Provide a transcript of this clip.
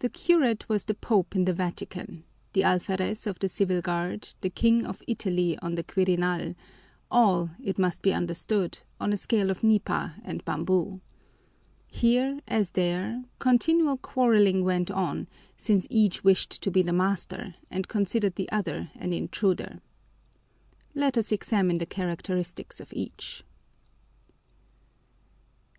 The curate was the Pope in the Vatican; the alferez of the Civil Guard, the King of Italy on the Quirinal: all, it must be understood, on a scale of nipa and bamboo. Here, as there, continual quarreling went on, since each wished to be the master and considered the other an intruder. Let us examine the characteristics of each.